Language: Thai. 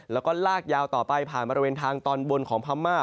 แล้วก็ลากยาวต่อไปผ่านบริเวณทางตอนบนของพม่า